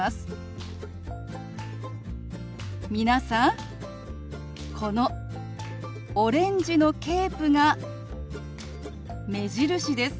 皆さんこのオレンジのケープが目印です。